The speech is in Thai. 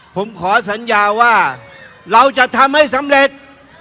ผมขอสัญญาว่าเราจะทำให้สำเร็จ